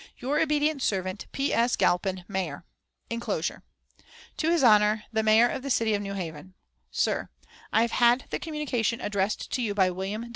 "Your obedient servant, "P. S. GALPIN, Mayor." (Inclosure.) "TO HIS HONOR THE MAYOR OF THE CITY OF NEW HAVEN: "SIR, I have had the communication addressed to you by Wm.